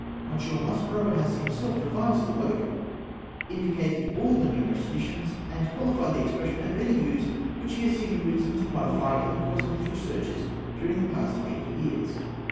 M. Maspero has himself revised the work, indicated all the numerous additions, and qualified the expression of any views which he has seen reason to modify in the course of his researches during the past eight years.